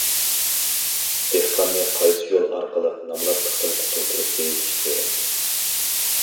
دېھقاننى قايسى يول ئارقىلىق نامراتلىقتىن قۇتۇلدۇرۇپ بېيىتىش كېرەك؟!